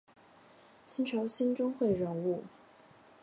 清朝兴中会人物。